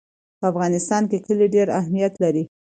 په افغانستان کې کلي ډېر اهمیت لري.